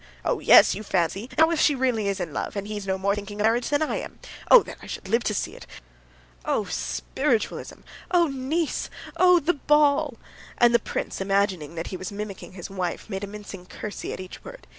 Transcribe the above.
"Oh, yes, you fancy! And how if she really is in love, and he's no more thinking of marriage than I am!... Oh, that I should live to see it! Ah! spiritualism! Ah! Nice! Ah! the ball!" And the prince, imagining that he was mimicking his wife, made a mincing curtsey at each word.